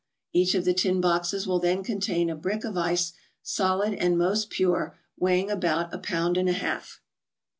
Each of the tin boxes will then contain a brick of ice, solid, and most pure, weighing about a pound and a half.